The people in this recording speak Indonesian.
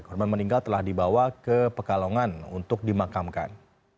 korban meninggal telah dibawa ke pekalongan untuk dimakamkan